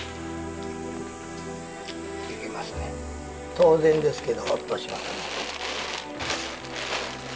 当然ですけど、ホッとします。